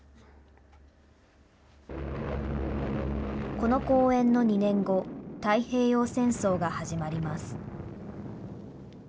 この講演の２年後、太平洋戦争が始まります。